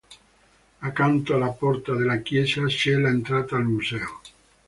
Accanto alla porta della chiesa c'è l'entrata al museo.